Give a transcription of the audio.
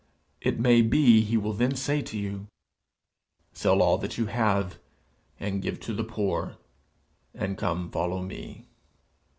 it may be he will then say to you, "Sell all that you have and give to the poor, and come follow me."